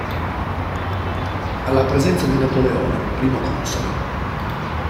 Alla presenza di Napoleone Primo Console.